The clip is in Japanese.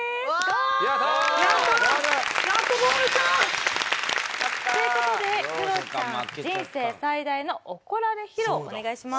やっとゴールした！という事で「クロちゃん人生最大の怒られ披露」お願いします。